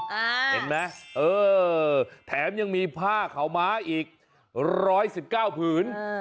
เห็นไหมเออแถมยังมีผ้าขาวม้าอีก๑๑๙ผืน